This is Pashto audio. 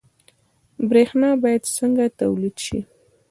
برښنا باید څنګه تولید شي؟